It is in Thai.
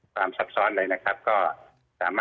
ความสับซ้อนเลยนะครับ